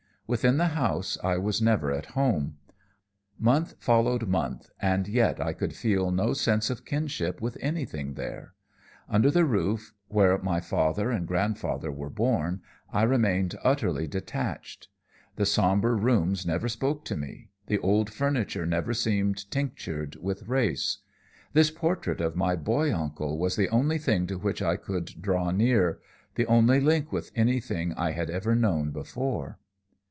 "Within the house I was never at home. Month followed month, and yet I could feel no sense of kinship with anything there. Under the roof where my father and grandfather were born, I remained utterly detached. The somber rooms never spoke to me, the old furniture never seemed tinctured with race. This portrait of my boy uncle was the only thing to which I could draw near, the only link with anything I had ever known before.